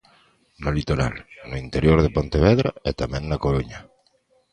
No litoral, no interior de Pontevedra e tamén na Coruña.